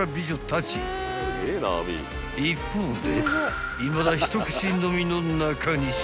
［一方で］